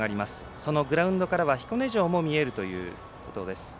そのグラウンドからは彦根城も見えるということです。